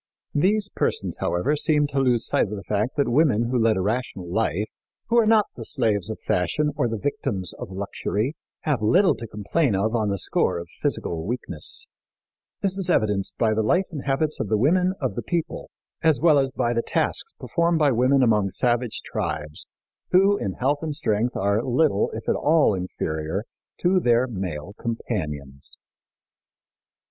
These persons, however, seemed to lose sight of the fact that women who lead a rational life who are not the slaves of fashion or the victims of luxury have little to complain of on the score of physical weakness. This is evidenced by the life and habits of the women of the people, as well as by the tasks performed by women among savage tribes, who in health and strength are little, if at all, inferior to their male companions.